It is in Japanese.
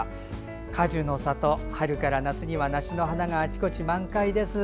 果樹の里、春から夏には梨の花があちこちで満開です。